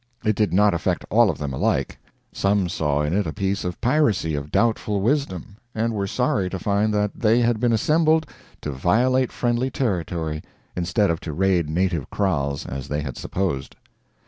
It did not affect all of them alike. Some saw in it a piece of piracy of doubtful wisdom, and were sorry to find that they had been assembled to violate friendly territory instead of to raid native kraals, as they had supposed.